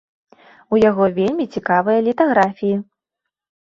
У яго вельмі цікавыя літаграфіі.